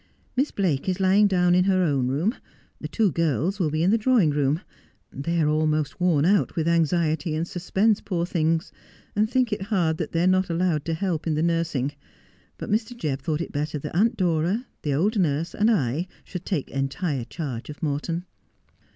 'Miss Blake is lying down in her own room — the two girls will be in the drawing room — they are almost worn out with anxiety and suspense, poor things, and think it hard that they are not allowed to help in the nursing. But Mr. Jebb thought it better that Aunt Dora, the old nurse, and I should take entire charge of Morton.'